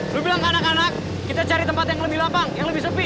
lu bilang ke anak anak kita cari tempat yang lebih lapang yang lebih sepi